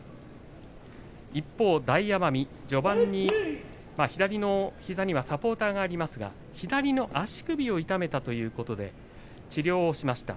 一方、大奄美、序盤に左の膝にはサポーターがありますが左の足首を痛めたということで治療をしました。